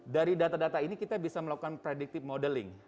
dari data data ini kita bisa melakukan predictive modeling